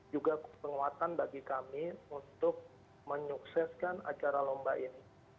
juga penguatan bagi kami untuk menyukseskan acara lomba ini